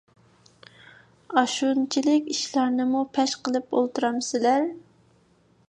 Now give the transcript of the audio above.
ئاشۇنچىلىك ئىشلارنىمۇ پەش قىلىپ ئولتۇرامسىلەر؟